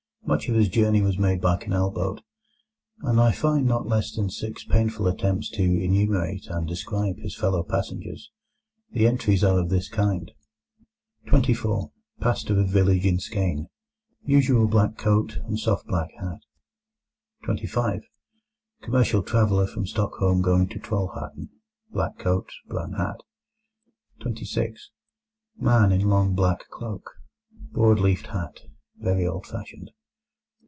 Much of his journey was made by canal boat, and I find not less than six painful attempts to enumerate and describe his fellow passengers. The entries are of this kind: 24. Pastor of village in Skåne. Usual black coat and soft black hat. 25. Commercial traveller from Stockholm going to Trollhättan. Black cloak, brown hat. 26. Man in long black cloak, broad leafed hat, very old fashioned.